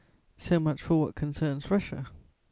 So much for what concerns Russia.